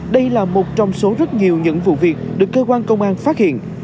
đây là một trong số rất nhiều những vụ việc được cơ quan công an phát hiện